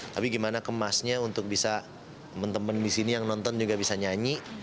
tapi gimana kemasnya untuk bisa teman teman di sini yang nonton juga bisa nyanyi